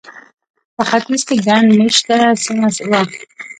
په ختیځ کې ګڼ مېشته سیمه وه.